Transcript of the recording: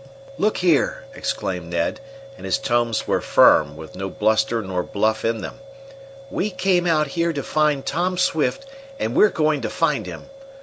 "Look here!" exclaimed Ned, and his tones were firm, with no bluster nor bluff in them, "we came out here to find Tom Swift, and we're going to find him!